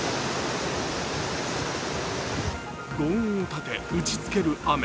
ごう音を立て、打ちつける雨。